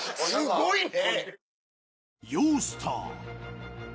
すごいね！